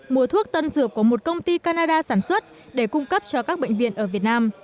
mua thuốc tân dược của một công ty canada sản xuất để cung cấp cho các bệnh viện ở việt nam